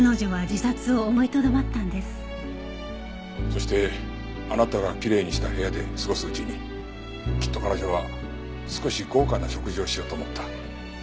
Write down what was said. そしてあなたがきれいにした部屋で過ごすうちにきっと彼女は少し豪華な食事をしようと思った。